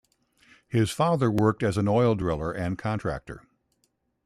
His father worked as an oil driller and contractor.